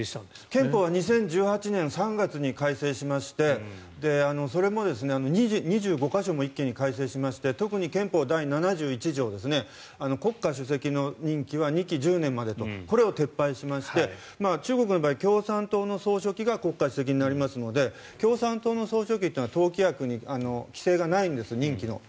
憲法は２０１８年３月に改正しましてそれも２５か所も一気に改正しまして特に憲法第７１条国家主席の任期は２期１０年までとこれを撤廃しまして中国の場合、共産党の総書記が国家主席になりますので共産党の総書記は規制がないんです任期の。